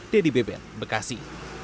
dedy bebel bekasi